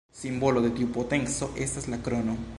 Simbolo de tiu potenco estas la krono.